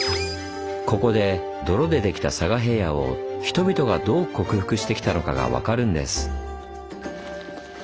ここで泥でできた佐賀平野を人々がどう克服してきたのかが分かるんです。